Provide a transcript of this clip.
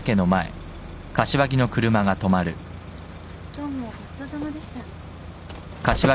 どうもごちそうさまでした。